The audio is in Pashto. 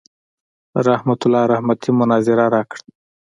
رحمت الله رحمتي مناظره راکړه.